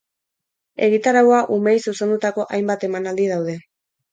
Egitaraua umeei zuzendutako hainbat emanaldi daude.